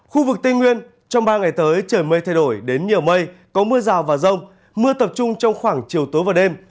khu vực tây nguyên trong ba ngày tới trời mây thay đổi đến nhiều mây có mưa rào và rông mưa tập trung trong khoảng chiều tối và đêm